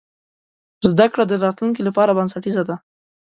زده کړه د راتلونکي لپاره بنسټیزه ده.